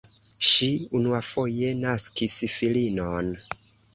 Ŝi unuafoje naskis filinon.